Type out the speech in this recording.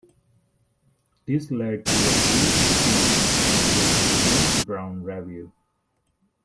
This led to a brief stint with The James Brown Revue.